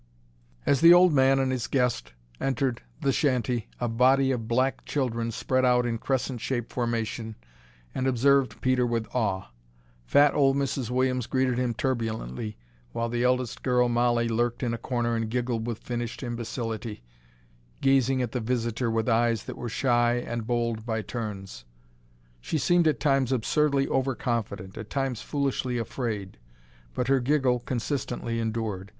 As the old man and his guest entered the shanty a body of black children spread out in crescent shape formation and observed Peter with awe. Fat old Mrs. Williams greeted him turbulently, while the eldest girl, Mollie, lurked in a corner and giggled with finished imbecility, gazing at the visitor with eyes that were shy and bold by turns. She seemed at times absurdly over confident, at times foolishly afraid; but her giggle consistently endured.